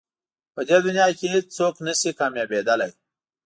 په دې دنیا کې هېڅ څوک نه شي کامیابېدلی.